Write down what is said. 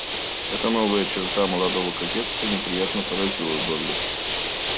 Эта новая черта молодого кокетства неприятно поразила Долли.